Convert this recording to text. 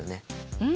うん！